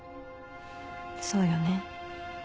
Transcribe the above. そうよね。